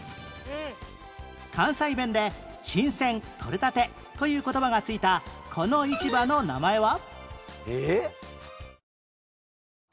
関西弁で「新鮮とれたて」という言葉が付いたこの市場の名前は？